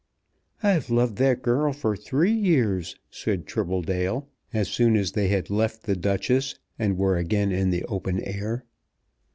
"I've loved that girl for three years," said Tribbledale, as soon as they had left "The Duchess" and were again in the open air.